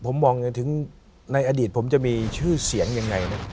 ผมมองอย่างถึงในอดีตผมจะมีชื่อเสียงยังไงนะ